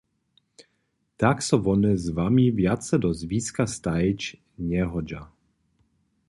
Tak so wone z wami wjace do zwiska stajić njehodźa.